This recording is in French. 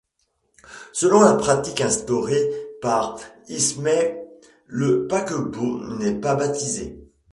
Selon la pratique instaurée par Ismay, le paquebot n'est pas baptisé.